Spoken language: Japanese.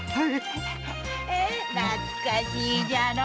懐かしいじゃろう！